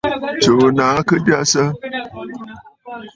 Tsùù nàa kɨ jasə.